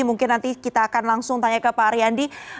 mungkin nanti kita akan langsung tanya ke pak ariandin